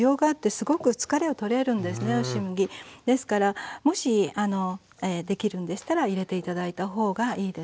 ですからもしできるんでしたら入れて頂いた方がいいですね。